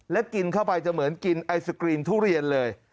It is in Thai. และกินเข้าไปจะเหมือนกินไอศกรีมทุเรียนเลย